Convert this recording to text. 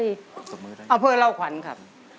เพื่อจะไปชิงรางวัลเงินล้าน